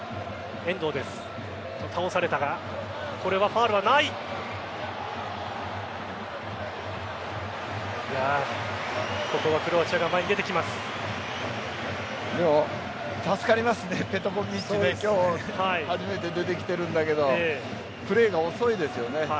ペトコヴィッチ今日、初めて出てきてるんだけどプレーが遅いですよね。